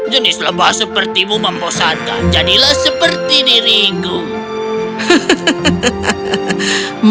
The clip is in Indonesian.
jenis lebah sepertimu membosankan jadilah seperti diriku